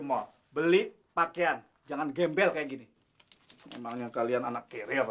mall beli pakaian jangan gembel kayak gini semangat kalian anak kere apa